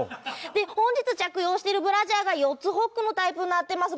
で本日着用してるブラジャーが４つホックのタイプになってます。